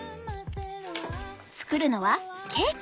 作るのはケーキ。